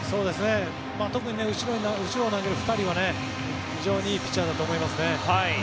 特に後ろを投げる２人は非常にいいピッチャーだと思いますね。